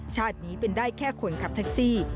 ชาตินี้เป็นได้แค่คนขับแท็กซี่